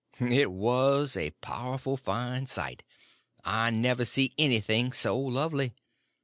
It was a powerful fine sight; I never see anything so lovely.